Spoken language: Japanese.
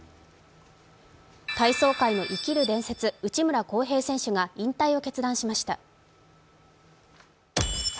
体操界の生きる伝説内村航平選手が引退を決断しました。